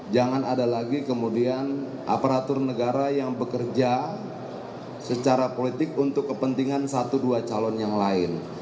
jangan ada lagi kemudian aparatur negara yang bekerja secara politik untuk kepentingan satu dua calon yang lain